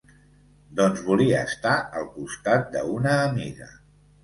Doncs volia estar al costat de una amiga.